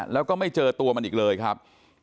แล้วก็ไม่เจอตัวมันอีกเลยครับ